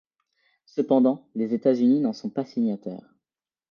Cependant, les États-Unis n'en sont pas signataires.